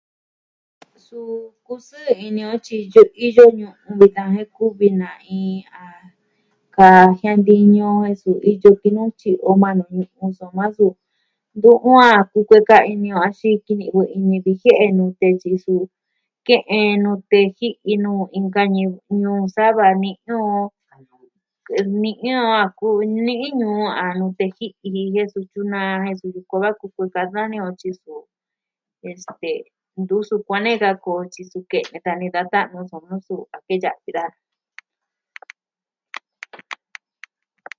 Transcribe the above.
Suu kusɨɨ ini o tyi, iyo ñu'un vitan je kuvi na iin a, kaa jiantiñu, tun iyo ki nu tyi o maa nu ñuu soma suu, ntu a kukueka ini o axin sikini'vɨ iin ñivɨ jie'e nute suu, ke'en nute, kɨ'ɨn nuu inka ñivɨ nuu sava ni o kɨ'ɨn ni a ku li'i nuu a nute ji'i jen suu tyunaa, jen suu koo va kukueka da nee o tyiso. Este, ntu sukuan nee ka koo tyi su kene tan nee da ta'nu soma suu a tee yavi da.